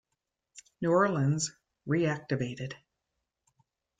New Orleans reactivated.